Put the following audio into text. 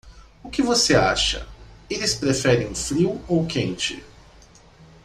O que você acha? eles preferem frio ou quente?